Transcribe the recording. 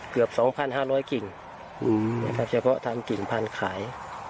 เกือบ๒๕๐๐กิ่งเฉพาะทางกิ่งพันธุ์ขาย